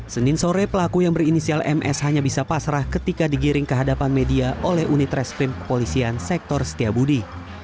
senin sore pelaku yang berinisial ms hanya bisa pasrah ketika digiring ke hadapan media oleh unit reskrim kepolisian sektor setiabudi